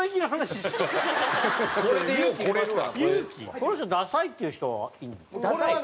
この人ダサいっていう人はいるの？